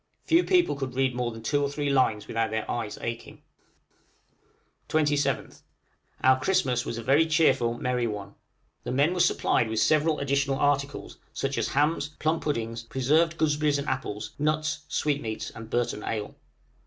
Few people could read more than two or three lines without their eyes aching. {AN ARCTIC CHRISTMAS.} 27th. Our Christmas was a very cheerful, merry one. The men were supplied with several additional articles, such as hams, plum puddings, preserved gooseberries and apples, nuts, sweetmeats, and Burton ale.